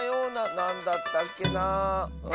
なんだったっけなあ。